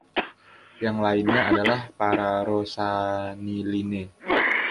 Yang lainnya adalah pararosaniline.